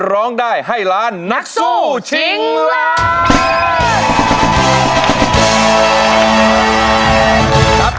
ร้องได้ให้ล้านนักสู้ชิงล้าน